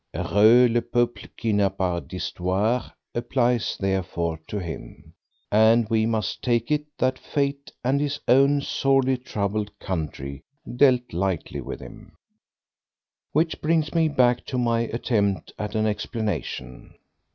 "Heureux le peuple qui n'a pas d'histoire" applies, therefore, to him, and we must take it that Fate and his own sorely troubled country dealt lightly with him. Which brings me back to my attempt at an explanation.